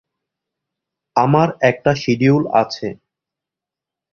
আমার একটা শিডিউল আছে।